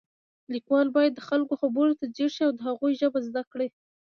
لیکوال باید د خلکو خبرو ته ځیر شي او د هغوی ژبه زده کړي